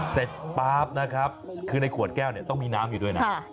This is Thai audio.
ป๊าบนะครับคือในขวดแก้วเนี่ยต้องมีน้ำอยู่ด้วยนะ